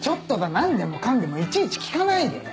何でもかんでもいちいち聞かないで。